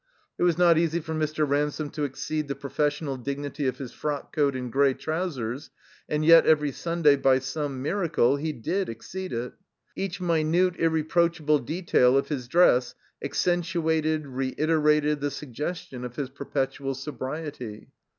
It was not easy for Mr. Ran some to exceed the professional dignity of his frock coat and gray trousers, and yet every Stmday, by some miracle, he did exceed it. Each minute irre proachable detail of his dress accentuated, reiterated, the suggestion of his perpetual sobriety.